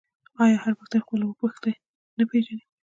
آیا هر پښتون خپل اوه پيښته نه پیژني؟